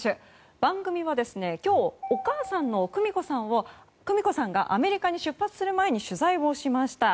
番組では今日、お母さんの久美子さんがアメリカに出発する前に取材をしました。